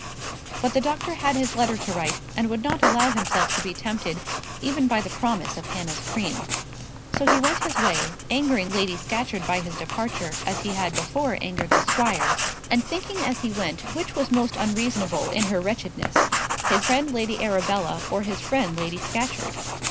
But the doctor had his letter to write, and would not allow himself to be tempted even by the promise of Hannah's cream. So he went his way, angering Lady Scatcherd by his departure as he had before angered the squire, and thinking as he went which was most unreasonable in her wretchedness, his friend Lady Arabella, or his friend Lady Scatcherd.